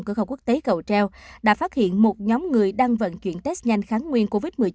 cửa khẩu quốc tế cầu treo đã phát hiện một nhóm người đang vận chuyển test nhanh kháng nguyên covid một mươi chín